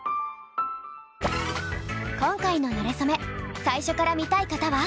今回の「なれそめ」最初から見たい方は！